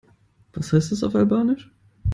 Was heißt das auf Albanisch?